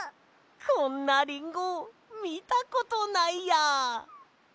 こんなリンゴみたことないや！